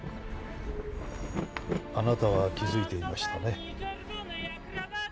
あなたは気づいていましたね？